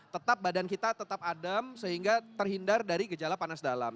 tetap badan kita tetap adem sehingga terhindar dari gejala panas dalam